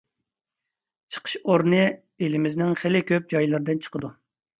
چىقىش ئورنى ئېلىمىزنىڭ خېلى كۆپ جايلىرىدىن چىقىدۇ.